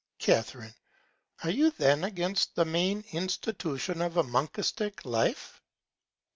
Ca. Are you then against the main Institution of a monastick Life?